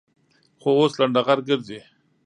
خو اوس لنډغر گرځي.